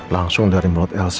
langsung dari mulut elsa